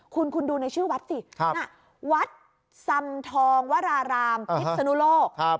คุณคุณดูในชื่อวัดสิวัดสำทองวรารามพิษนุโลก